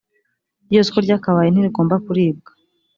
ryose uko ryakabaye ntirigomba kuribwa